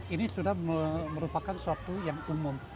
ini sudah merupakan suatu yang umum